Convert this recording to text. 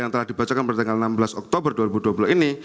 yang telah dibacakan pada tanggal enam belas oktober dua ribu dua puluh ini